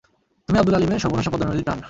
তুমি আব্দুল আলীমের সর্বনাশা পদ্মা নদীর টান।